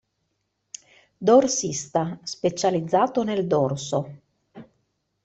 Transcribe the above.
Dorsista: Specializzato nel dorso.